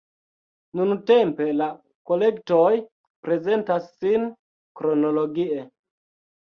Nuntempe la kolektoj prezentas sin kronologie.